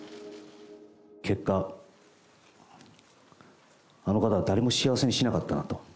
結果、あの方は誰も幸せにしなかったなと。